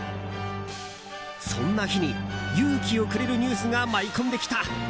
そんな日に勇気をくれるニュースが舞い込んできた。